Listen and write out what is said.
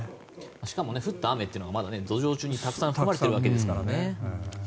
しかも降った雨は土壌中にたくさん含まれているわけですからね。